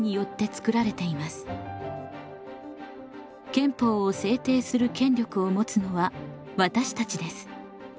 憲法を制定する権力を持つのは私たちです。